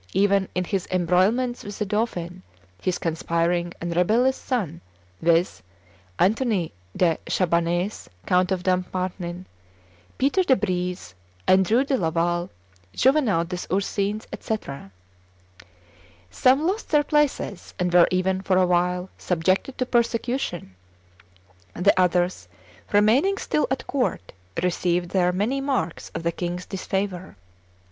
even in his embroilments with the dauphin, his conspiring and rebellious son, viz., Anthony de Chabannes, Count of Dampmartin, Peter de Breze, Andrew de Laval, Juvenal des Ursins, &c. Some lost their places, and were even, for a while, subjected to persecution; the others, remaining still at court, received there many marks of the king's disfavor.